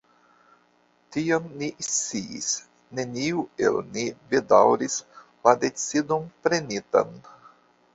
Tion ni sciis: neniu el ni bedaŭris la decidon prenitan.